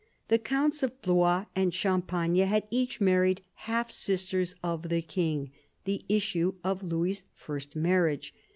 The counts of Blois and Champagne had each married half sisters of the king, the issue of Louis's first marriage.